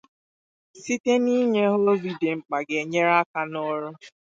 site n'inye ha ozi dị mkpa ga-enyere aka n'ọrụ